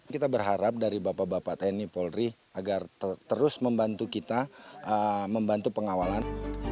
kita berharap dari bapak bapak tni polri agar terus membantu kita membantu pengawalan